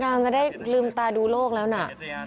นางจะได้ลืมตาดูโลกแล้วนะ